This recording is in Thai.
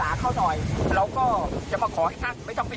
มันมีการตายเหตุขึ้นเออแล้วแม่กับผมคอยปกป้องรักษาเข้าหน่อย